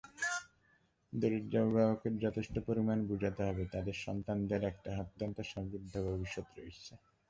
দরিদ্র অভিভাবকদের যথেষ্ট পরিমাণ বোঝাতে হবে, তাদের সন্তানদের একটা অত্যন্ত সমৃদ্ধ ভবিষ্যৎ রয়েছে।